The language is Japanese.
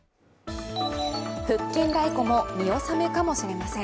腹筋太鼓も見納めかもしれません。